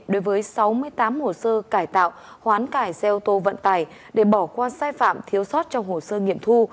đối với sáu mươi tám hồ sơ cải tạo hoán cải xe ô tô vận tải để bỏ qua sai phạm thiếu sót trong hồ sơ nghiệm thu